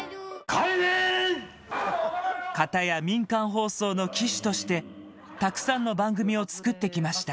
かたや、民間放送の旗手としてたくさんの番組を作ってきました。